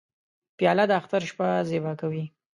پیاله د اختر شپه زیبا کوي.